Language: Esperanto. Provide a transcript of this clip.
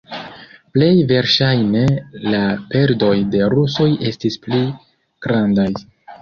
Plej verŝajne la perdoj de rusoj estis pli grandaj.